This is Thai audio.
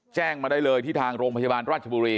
แจ้งมาได้เลยที่ทางโรงพยาบาลราชบุรี